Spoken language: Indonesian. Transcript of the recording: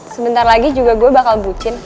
sebentar lagi juga gue bakal boocin